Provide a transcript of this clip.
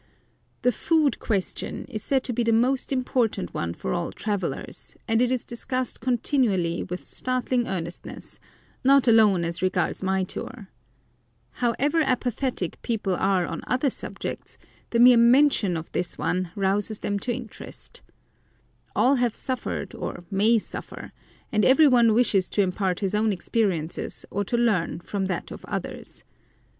The "Food Question" is said to be the most important one for all travellers, and it is discussed continually with startling earnestness, not alone as regards my tour. However apathetic people are on other subjects, the mere mention of this one rouses them into interest. All have suffered or may suffer, and every one wishes to impart his own experience or to learn from that of others.